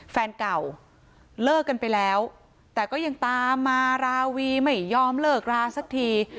แฟนเก่าเลิกกันไปแล้วแต่ก็ยังตามมาราวีไม่ยอมเลิกราสักที